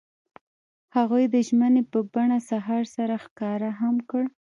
هغوی د ژمنې په بڼه سهار سره ښکاره هم کړه.